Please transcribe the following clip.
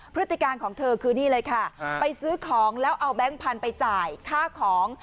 พฤติการของเธอคือนี่เลยค่ะไปซื้อของแล้วเอาแบงค์พันธุ์ไปจ่ายค่าของ